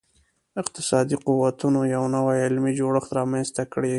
اقتصادي قوتونو یو نوی علمي جوړښت رامنځته کړي.